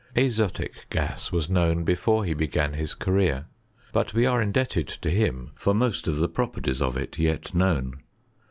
Azotic gas was known. before he began bis career ; but we are Indebted to him for most of the properties of it yet known.